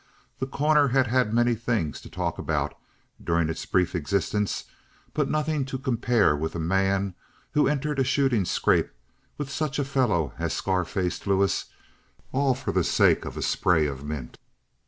The Corner had had many things to talk about during its brief existence, but nothing to compare with a man who entered a shooting scrape with such a fellow as Scar faced Lewis all for the sake of a spray of mint.